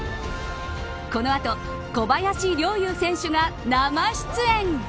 この後、小林陵侑選手が生出演。